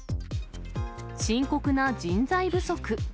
深刻な人材不足。